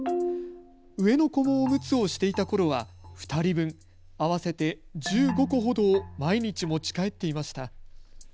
上の子もおむつをしていたころは２人分、合わせて１５個ほどを毎日持ち帰っていました。